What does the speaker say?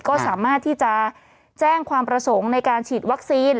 ก็สามารถที่จะแจ้งความประสงค์ในการฉีดวัคซีน